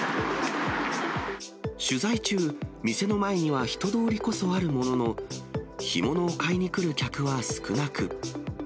取材中、店の前には人通りこそあるものの、干物を買いに来る客は少なく。